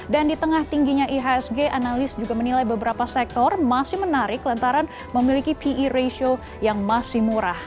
di tengah tingginya ihsg analis juga menilai beberapa sektor masih menarik lantaran memiliki pe ratio yang masih murah